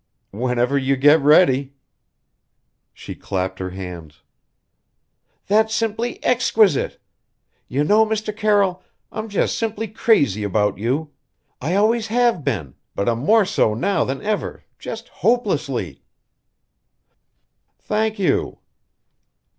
"Whenever you get ready." She clapped her hands. "That's simply exquisite! You know, Mr. Carroll, I'm just simply crazy about you! I always have been, but I'm more so now than ever just hopelessly!" "Thank you."